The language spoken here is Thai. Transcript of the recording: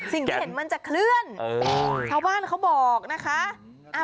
สิ่งที่เห็นมันจะเคลื่อนชาวบ้านเขาบอกนะคะ